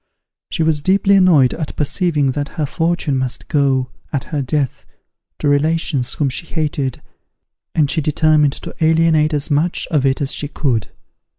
She was deeply annoyed at perceiving that her fortune must go, at her death, to relations whom she hated, and she determined to alienate as much of it as she could.